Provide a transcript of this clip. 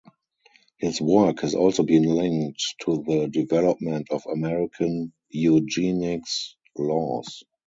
His work has also been linked to the development of American eugenics laws.